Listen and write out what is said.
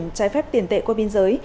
trái phép tiền tệ qua biên giới